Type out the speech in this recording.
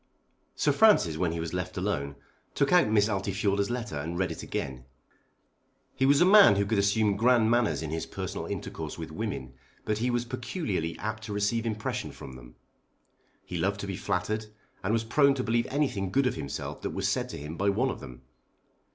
Sir Francis when he was left alone took out Miss Altifiorla's letter and read it again. He was a man who could assume grand manners in his personal intercourse with women, but was peculiarly apt to receive impression from them. He loved to be flattered, and was prone to believe anything good of himself that was said to him by one of them.